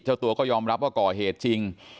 เจ้าตัวก็ยอมรับว่าก่อเหตุจริง